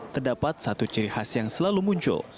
terdapat satu ciri khas yang selalu muncul